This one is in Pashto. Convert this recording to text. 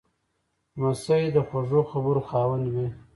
لمسی د خوږو خبرو خاوند وي.